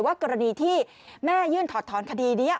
กรณีที่แม่ยื่นถอดถอนคดีนี้